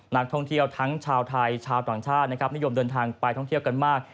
นักท่องเที่ยวทั้งชาวไทยชาวต่างชาตินะครับนิยมเดินทางไปท่องเที่ยวกันมาก